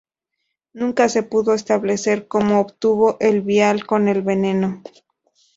Nunca se pudo establecer cómo obtuvo el vial con el veneno.